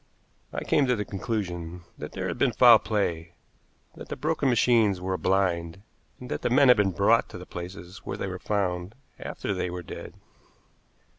I came to the conclusion that there had been foul play, that the broken machines were a blind, and that the men had been brought to the places where they were found after they were dead.